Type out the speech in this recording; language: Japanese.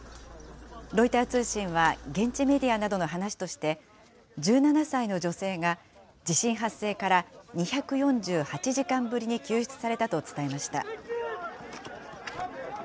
ロイター通信は現地メディアなどの話として、１７歳の女性が地震発生から２４８時間ぶりに救出されたと伝えました。